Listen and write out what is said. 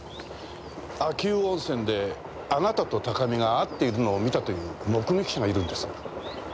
秋保温泉であなたと高見が会っているのを見たという目撃者がいるんです。